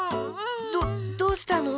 どどうしたの？